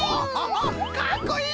かっこいい！